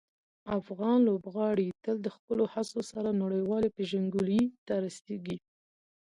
افغان لوبغاړي تل د خپلو هڅو سره نړیوالې پېژندګلوۍ ته رسېږي.